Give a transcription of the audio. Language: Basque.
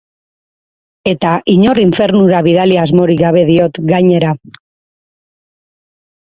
Eta inor infernura bidali asmorik gabe diot, gainera.